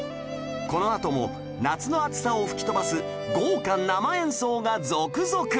このあとも夏の暑さを吹き飛ばす豪華生演奏が続々！